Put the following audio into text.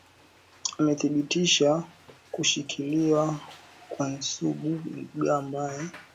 amethibitisha kushikiliwa kwa nsubuga ambaye